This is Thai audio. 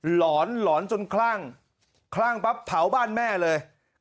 หลอนหลอนจนคลั่งคลั่งปั๊บเผาบ้านแม่เลย